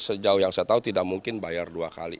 sejauh yang saya tahu tidak mungkin bayar dua kali